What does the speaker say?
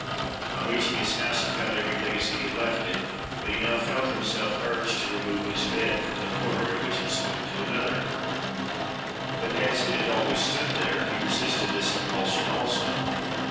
On reaching his house, he found everything as he had left it; but he now felt himself urged to remove his bed from the corner in which it stood to another; but as it had always stood there, he resisted this impulsion also.